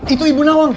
itu ibu nawang